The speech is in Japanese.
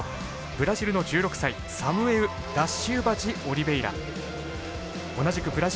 ブラジルの１６歳サムエウ・ダシウバジオリベイラ。